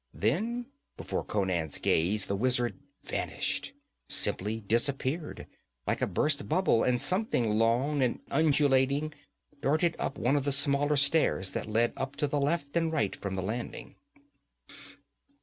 Then before Conan's gaze, the wizard vanished simply disappeared like a burst bubble, and something long and undulating darted up one of the smaller stairs that led up to left and right from the landing.